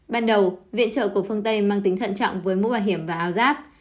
ban đầu viện trợ của phương tây mang tính thận trọng với mũ bảo hiểm và áo giáp